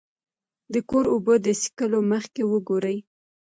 د کور اوبه د څښلو مخکې وګورئ.